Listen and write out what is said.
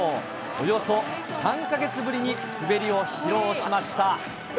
およそ３か月ぶりに滑りを披露しました。